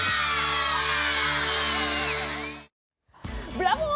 ブラボー！